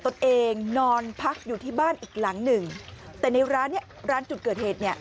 ตัวเองนอนพักอยู่ที่บ้านอีกหลังหนึ่งแต่ในร้านเนี้ยร้านจุดเกิดเหตุเนี่ย